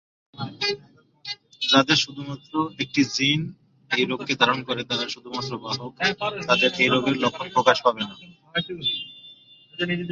যাদের শুধুমাত্র একটি জিন এই রোগকে ধারণ করে, তারা শুধুমাত্র বাহক, তাদের এই রোগের লক্ষণ প্রকাশ পাবে না।